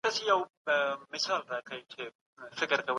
ورځيــني هــېـر سـو